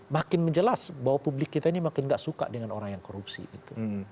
makin menjelas bahwa publik kita ini makin gak suka dengan orang yang korupsi itu